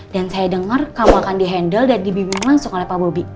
dan saya denger kamu akan di handle dan dibimbing langsung oleh pak bobi